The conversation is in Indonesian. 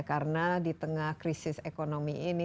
karena di tengah krisis ekonomi ini